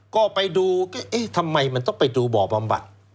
ก็ไปดูก็เอ๊ะทำไมมันต้องไปดูบ่อบำบัด